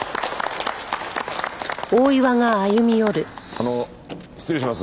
あの失礼します。